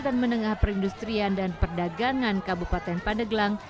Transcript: dan menengah perindustrian dan perdagangan kabupaten pandeglang